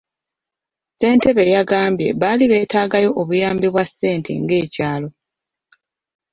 Ssentebe yagambye baali beetaagayo obuyambi bwa ssente ng'ekyalo.